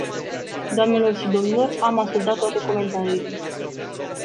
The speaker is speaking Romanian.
Doamnelor și domnilor, am ascultat toate comentariile.